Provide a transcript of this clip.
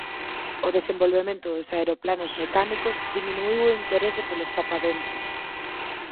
O desenvolvemento dos aeroplanos mecánicos diminuíu o interese polos papaventos.